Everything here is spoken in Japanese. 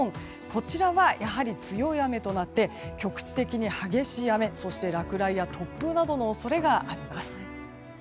こちらは強い雨となって局地的に激しい雨落雷や突風などの恐れがあります。